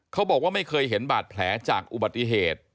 เขาบอกว่าไม่เคยเห็นบาดแผลจากอุบัติเหตุ